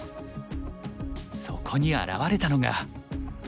そこに現れたのが。